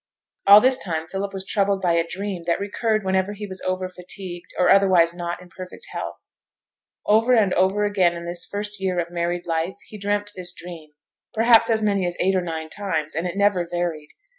All this time Philip was troubled by a dream that recurred whenever he was over fatigued, or otherwise not in perfect health. Over and over again in this first year of married life he dreamt this dream; perhaps as many as eight or nine times, and it never varied.